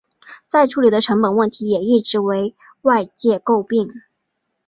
再处理的成本问题也一直为外界诟病。